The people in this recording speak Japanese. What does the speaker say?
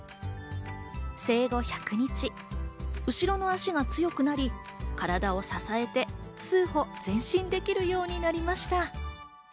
生後１００日、後ろの足が強くなり、体を支えて数歩、前進できるようになりました。